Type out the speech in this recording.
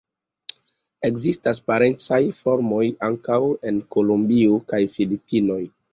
Ekzistas parencaj formoj ankaŭ en Kolombio kaj Filipinoj.